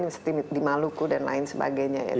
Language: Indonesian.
seperti di maluku dan lain sebagainya